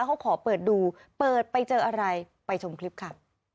เขาขอเปิดดูเปิดไปเจออะไรไปชมคลิปค่ะ